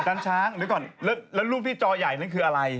จานช้างลืมก่อนแล้วรูปที่จอใหญ่นั้นคืออะไร